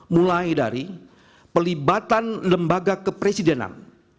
mulai dari pelibatan lembaga kepresidenan